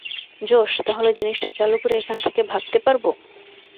জোশ, তাহলে জিনিসটা চালু করে এখান থেকে ভাগতে পারবো?